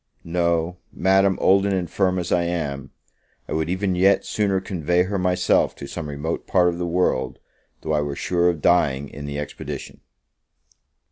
no, Madam, old and infirm as I am, I would even yet sooner convey her myself to some remote part of the world, though I were sure of dying in the expedition.